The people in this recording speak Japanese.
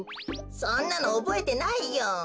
そんなのおぼえてないよ。